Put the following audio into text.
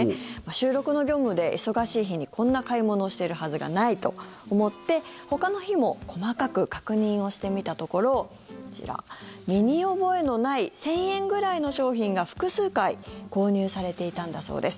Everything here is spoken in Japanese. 収録の業務で忙しい日にこんな買い物してるはずがないと思ってほかの日も細かく確認をしてみたところこちら、身に覚えのない１０００円ぐらいの商品が複数回購入されていたんだそうです。